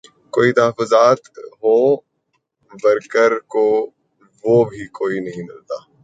کوئی تحفظات ہوں ورکر کو تو وہ بھی کوئی نہیں ملتا